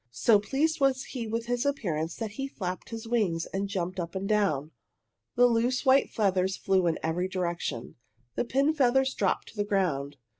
So pleased was he with his appearance that he flapped his wings, and jumped up and down. The loose white feathers flew in every direction. The pin feathers dropped to the ground.